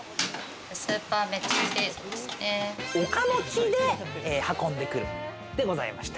岡持ちで運んでくるでございました。